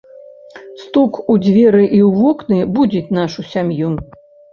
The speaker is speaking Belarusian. Стук у дзверы і ў вокны будзіць нашую сям'ю.